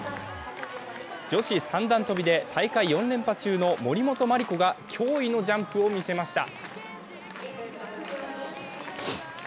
女子三段跳びで大会４連覇中の森本麻里子が驚異のジャンプを見せました。